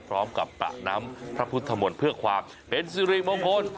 ประน้ำพระพุทธมนต์เพื่อความเป็นสิริมงคล